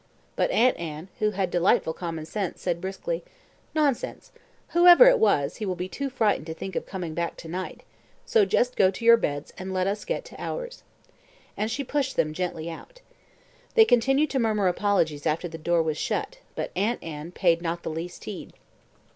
But Aunt Anne, who had delightful common sense, said briskly "Nonsense; whoever it was, he will be too frightened to think of coming back to night, so just go to your beds, and let us get to ours." And she pushed them gently out. They continued to murmur apologies after the door was shut; but Aunt Anne paid not the least heed.